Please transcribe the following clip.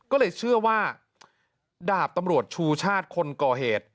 ก็เลยเชื่อว่าดาบตำรวจชูชาติคนก่อเหตุ